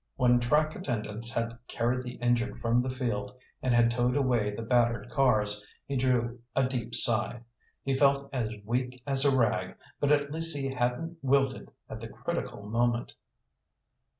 When track attendants had carried the injured from the field and had towed away the battered cars, he drew a deep sigh. He felt as weak as a rag, but at least he hadn't wilted at the critical moment.